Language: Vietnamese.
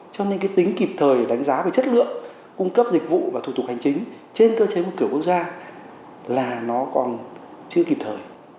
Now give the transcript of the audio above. cho nên cái tính kịp thời đánh giá về chất lượng cung cấp dịch vụ và thủ tục hành chính trên cơ chế một cửa quốc gia là nó còn chưa kịp thời